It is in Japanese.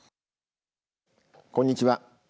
こんにちは。